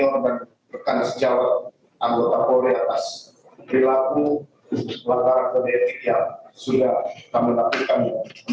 mohon maaf kepada senior dan rekan rekan perwira initially dan perwira pertama dan perwira entar palm